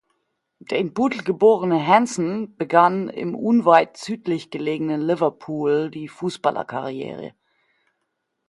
Der in Bootle geborene Hanson begann im unweit südlich gelegenen Liverpool die Fußballerkarriere.